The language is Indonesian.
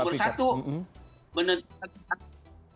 nomor satu menetapkan